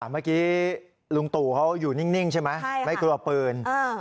อ่ะเมื่อกี้ลุงตู่เขาอยู่นิ่งใช่ไหมใช่ค่ะไม่กลัวปืนอืม